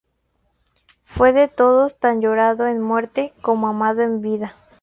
Fue de todos tan llorado en muerte, como amado en vida.